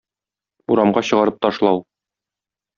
Урамга чыгарып ташлау.